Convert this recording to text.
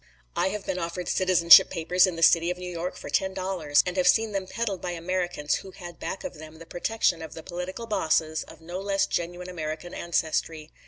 I have been offered citizenship papers in the city of New York for ten dollars; and have seen them peddled by Americans who had back of them the protection of political bosses of no less genuine American ancestry.